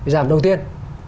giảm đầu tiên